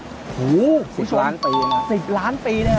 โอ้โฮคุณผู้ชม๑๐ล้านปีนะครับ๑๐ล้านปี